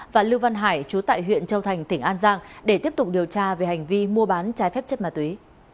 và lưu văn hải chú tại huyện châu thành tỉnh an giang để tiếp tục điều tra về hành vi mua bán trái phép chất ma túy